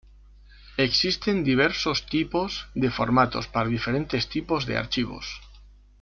Existen diversos tipos de formatos para diferentes tipos de archivos.